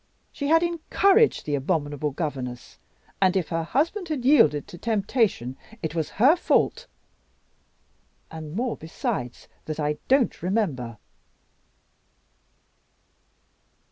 She had encouraged the abominable governess; and if her husband had yielded to temptation, it was her fault. And more besides, that I don't remember."